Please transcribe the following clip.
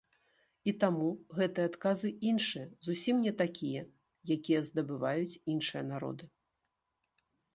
І таму гэтыя адказы іншыя, зусім не такія, якія здабываюць іншыя народы.